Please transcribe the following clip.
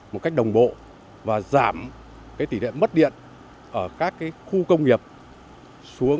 một cách đồng bộ và giảm cái tỷ đệm mất điện ở các cái khu công nghiệp xuống